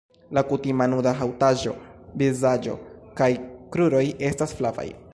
La kutima nuda haŭtaĵo vizaĝo kaj kruroj estas flavaj.